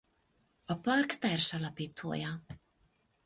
A park társalapítója.